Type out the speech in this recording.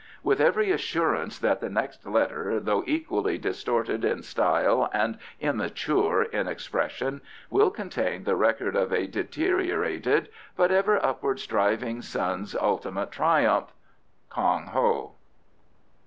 With every assurance that the next letter, though equally distorted in style and immature in expression, will contain the record of a deteriorated but ever upward striving son's ultimate triumph. KONG HO.